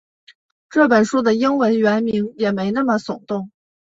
这本书的英文原名也没那么耸动